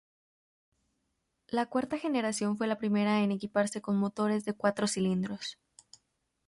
La cuarta generación fue la primera en equiparse con motores de cuatro cilindros.